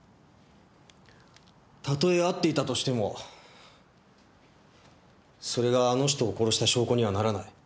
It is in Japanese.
たとえ会っていたとしてもそれがあの人を殺した証拠にはならない。